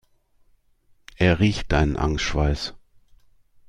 Er riecht deinen Angstschweiß.